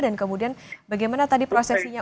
dan kemudian bagaimana tadi prosesinya